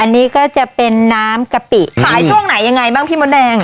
อันนี้ก็จะเป็นน้ำกะปิขายช่วงไหนยังไงบ้างพี่มดแดง